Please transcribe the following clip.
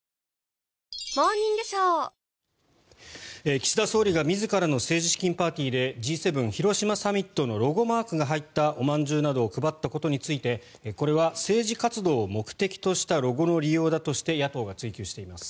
岸田総理が自らの政治資金パーティーでＧ７広島サミットのロゴマークが入ったおまんじゅうなどを配ったことについてこれは政治活動を目的としたロゴの利用だとして野党が追及しています。